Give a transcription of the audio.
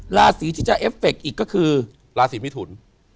ลาศรีที่จะเอฟเฟกต์อีกก็คือลาศรีมิถุล